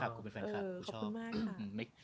กูเป็นแฟนคลับชอบ